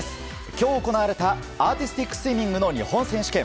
今日、行われたアーティスティックスイミングの日本選手権。